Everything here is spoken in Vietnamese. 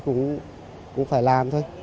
cũng phải làm thôi